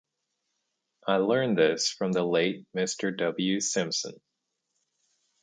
I learned this from the late Mr. W. Simpson.